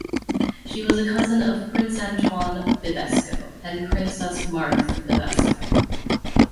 She was a cousin of Prince Antoine Bibesco and Princess Marthe Bibesco.